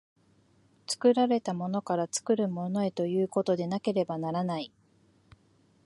作られたものから作るものへということでなければならない。